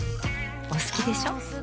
お好きでしょ。